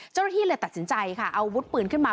เจ้าหน้าที่เลยตัดสินใจค่ะอาวุธปืนขึ้นมา